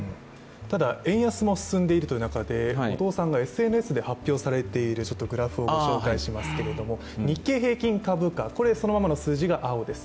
円安も進んでいる中で、ＳＮＳで発表されているグラフをご紹介しますけども、日経平均株価、これ、そのままの数字が青です。